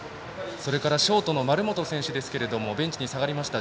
それからショートの丸本選手ですがベンチに下がりました。